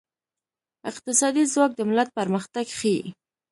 اقتصادي ځواک د ملت پرمختګ ښيي.